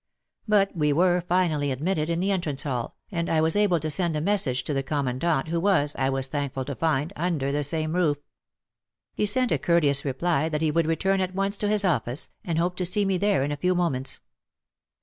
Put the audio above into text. But we were finally admitted to the entrance hall, and I was able to send a message to the Commandant, who was, I was thankful to find, under the same roof! — He sent a courteous reply that he would return at once to his office, and hoped to see me there in a few moments.